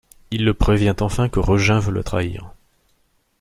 Il le prévient enfin que Regin veut le trahir.